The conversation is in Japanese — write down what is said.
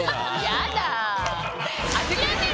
やだ。